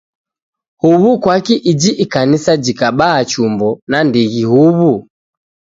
Huw'u kwaki iji ikanisa jikaba chumbo nandighi huw'u?